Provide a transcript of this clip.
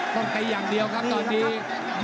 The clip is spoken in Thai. ต้องตีอย่างเดียวครับต้องตีอย่างเดียวครับตอนนี้